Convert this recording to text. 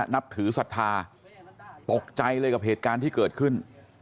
นับถือศรัทธาตกใจเลยกับเหตุการณ์ที่เกิดขึ้น